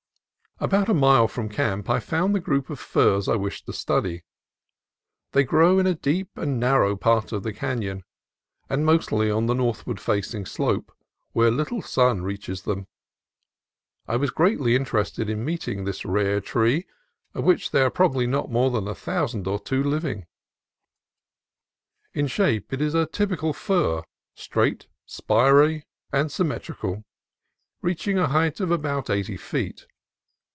About a mile from camp I found the group of firs I wished to study. They grow in a deep and narrow part of the canon, and mostly on the northward facing slope, where little sun reaches them. I was greatly interested in meeting this rare tree, of which there are probably not more than a thousand or two living. In shape it is a typical fir, straight, spiry, and symmetrical, reaching a height of about eighty feet.